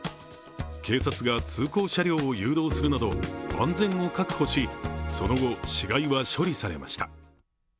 警察が通行車両を誘導するなど、安全を確保し、その後、死骸は処理されました。